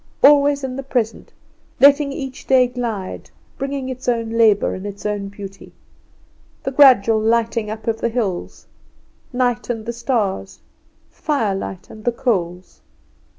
Always in the present; letting each day glide, bringing its own labour, and its own beauty; the gradual lighting up of the hills, night and the stars, firelight and the coals!